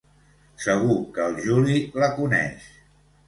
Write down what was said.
Segur que el Juli la coneix.